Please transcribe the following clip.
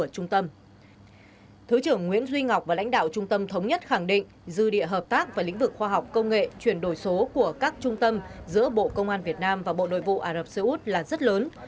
phát biểu kết khẳng định dư địa hợp tác và lĩnh vực khoa học công nghệ chuyển đổi số của các trung tâm giữa bộ công an việt nam và bộ nội vụ ả rập xê út là rất lớn